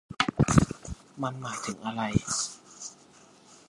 มันหมายถึงอะไร ?